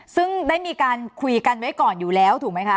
ซึ่งได้มีการคุยกันไว้ก่อนอยู่แล้วถูกไหมคะ